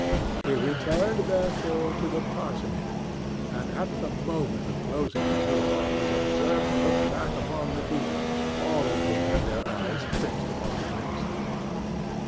He returned, therefore, to the parsonage, and at the moment of closing the door was observed to look back upon the people, all of whom had their eyes fixed upon the minister.